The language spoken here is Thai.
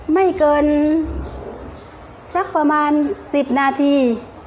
ไม่เกินสักประมาณ๑๐นาที